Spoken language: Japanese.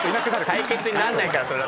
対決になんないからそれ。